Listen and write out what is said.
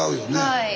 はい。